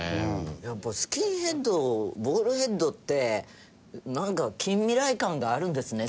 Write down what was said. やっぱスキンヘッドボールヘッドってなんか近未来感があるんですね